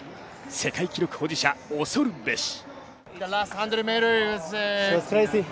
世界記録保持者、恐るべし。